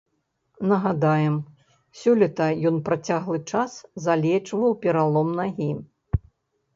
Нагадаем, сёлета ён працяглы час залечваў пералом нагі.